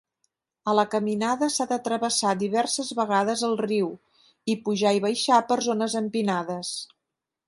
A la caminada s'ha de travessar diverses vegades el riu i pujat i baixar per zones empinades.